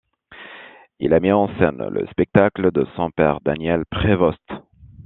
Il a mis en scène le spectacle de son père, Daniel Prévost.